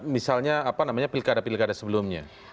misalnya apa namanya pilkada pilkada sebelumnya